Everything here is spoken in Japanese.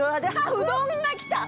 うどんが来た！